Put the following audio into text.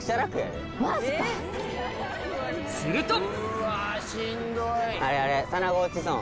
すると！